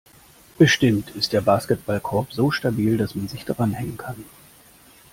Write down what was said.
Bestimmt ist der Basketballkorb so stabil, dass man sich dranhängen kann.